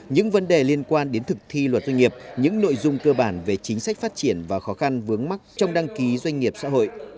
những vấn đề liên quan đến thực thi luật doanh nghiệp những nội dung cơ bản về chính sách phát triển và khó khăn vướng mắt trong đăng ký doanh nghiệp xã hội